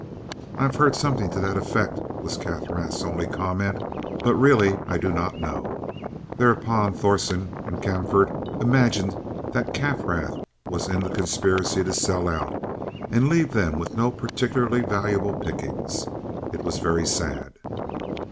"I have heard something to that effect," was Kaffrath's only comment, "but really I do not know." Thereupon Thorsen and Kaempfaert imagined that Kaffrath was in the conspiracy to sell out and leave them with no particularly valuable pickings. It was very sad.